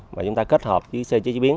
mà chúng ta kết hợp với sơ chế chế biến